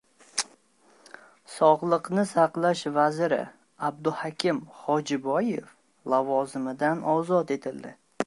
Sog‘liqni saqlash vaziri Abduhakim Xojiboyev lavozimidan ozod etildi